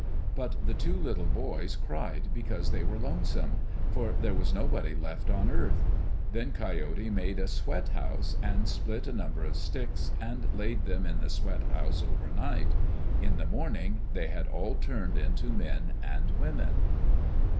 But the two little boys cried because they were lonesome, for there was nobody left on earth. Then Coyote made a sweat house, and split a number of sticks, and laid them in the sweat house over night. In the morning they had all turned into men and women.